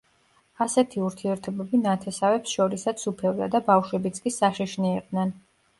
ასეთი ურთიერთობები ნათესავებს შორისაც სუფევდა და ბავშვებიც კი საშიშნი იყვნენ.